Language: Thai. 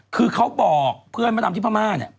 คือเขาบอกเพื่อนมะดำที่พม่าเนี่ย